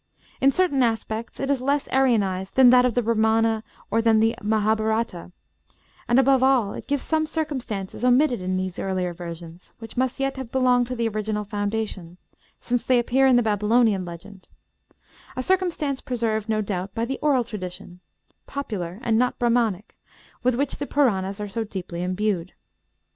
In certain aspects it is less Aryanized than that of Brâhmana or than the Mahâbhârata; and, above all, it gives some circumstances omitted in these earlier versions, which must yet have belonged to the original foundation, since they appear in the Babylonian legend; a circumstance preserved, no doubt, by the oral tradition popular, and not Brahmanic with which the Purânas are so deeply imbued.